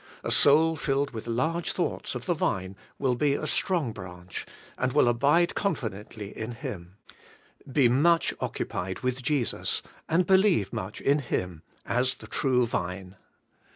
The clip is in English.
A soul filled with large thoughts of the Vine will be a strong branch, and will abide confidently in Him. Be much occupied with Jesus, and believe much in Him, as the True Vine.